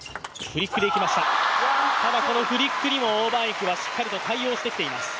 フリックにも王曼イクはしっかりと対応してきています。